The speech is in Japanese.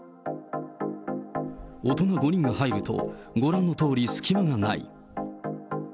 大人５人が入ると、ご覧のとおり、隙間がない。